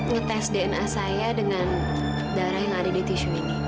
ngetes dna saya dengan darah yang ada di tisu ini